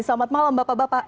selamat malam bapak bapak